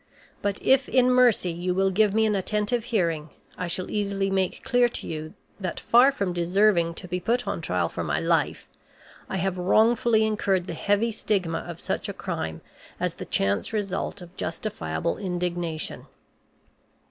But if in mercy you will give me an attentive hearing, I shall easily make clear to you that far from deserving to be put on trial for my life, I have wrongfully incurred the heavy stigma of such a crime as the chance result of justifiable indignation.